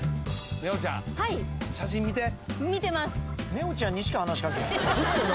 ねおちゃんにしか話し掛けへん。